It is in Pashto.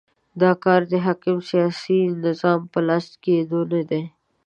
دا کار د حاکم سیاسي نظام په لاس کېدونی دی.